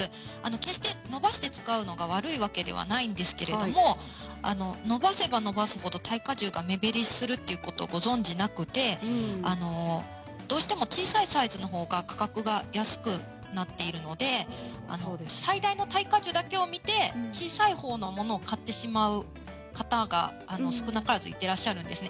決して伸ばして使うのが悪いわけではないんですけれど伸ばせば伸ばすほど耐荷重が目減りするということがご存じなくてどうしても小さいサイズのほうが価格が安くなっているので最大の耐荷重だけを見て小さいほうのものを買ってしまう方が、少なからずいてらっしゃるんですね。